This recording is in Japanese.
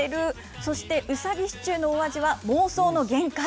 そしてウサギシチューのお味は妄想の限界。